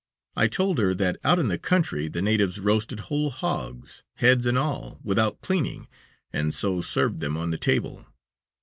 I told her that out in the country the natives roasted whole hogs, heads and all, without cleaning, and so served them on the table.